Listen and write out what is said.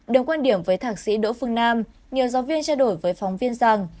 đồng quan điểm với thạc sĩ đỗ phương nam nhiều giáo viên trao đổi với phóng viên rằng